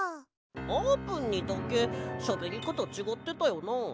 あーぷんにだけしゃべりかたちがってたよな？